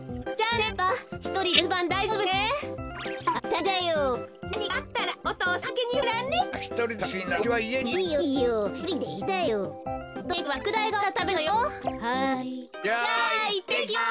じゃあいってきます。